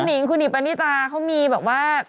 คุณหนิงคุณหนิงปานิตาเขามีแบบว่า